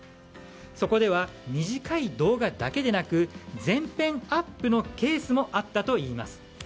そこでは短い動画だけでなく全編アップのケースもあったといいます。